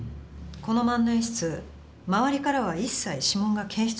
この万年筆周りからは一切指紋が検出されなかった。